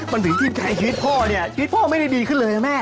มันถึงจิตใจชีวิตพ่อเนี่ยชีวิตพ่อไม่ได้ดีขึ้นเลยนะแม่